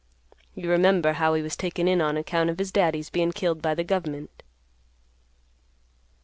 You remember how he was taken in on account of his daddy's bein' killed by the gov'ment.